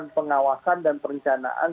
pengawasan dan perencanaan